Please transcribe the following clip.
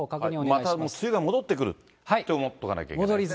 また梅雨が戻ってくると思っておかないといけない。